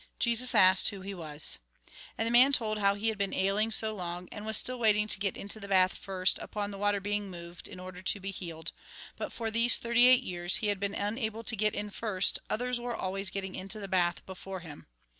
Jesus asked who he was. And the man told how he had been ailing so long, and v/as still waiting to get into the bath first, upon the water being moved, in order to be healed ; but for these thirty eight years he had been unable to get in first, others always getting into the bath before him.